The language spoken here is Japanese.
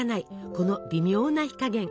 この微妙な火加減。